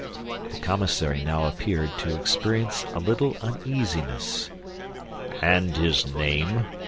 The commissary now appeared to experience a little uneasiness. "And his name?"